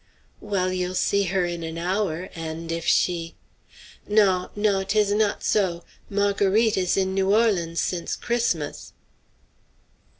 "Well, you'll see her in an hour, and if she" "Naw, naw! 'tis not so; Marguerite is in New Orleans since Christmas."